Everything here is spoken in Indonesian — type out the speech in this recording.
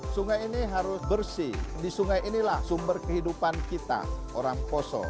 sungai ini harus bersih di sungai inilah sumber kehidupan kita orang poso